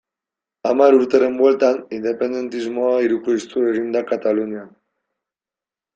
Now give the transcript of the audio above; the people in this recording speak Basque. Hamar urteren bueltan, independentismoa hirukoiztu egin da Katalunian.